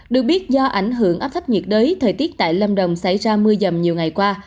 được biết do ảnh hưởng áp thấp nhiệt đới thời tiết tại lâm đồng xảy ra mưa dầm nhiều ngày qua